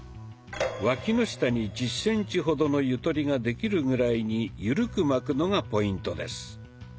わきの下に１０センチほどのゆとりができるぐらいにゆるく巻くのがポイントです。